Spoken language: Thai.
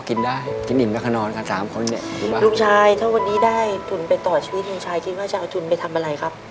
มีความสุขครับ